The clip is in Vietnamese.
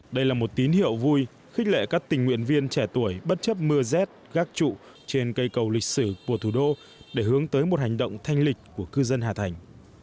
đây là một tín hiệu vui khích lệ các tình nguyện viên trẻ tuổi bất chấp mưa rét gác trụ trên cây cầu lịch sử của thủ đô để hướng tới một hành động thanh lịch của cư dân hà thành